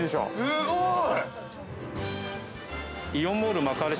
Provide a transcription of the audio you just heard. ◆すごい。